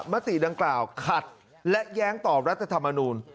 มติดังกล่าวขัดและแย้งต่อรัฐธรรมนูล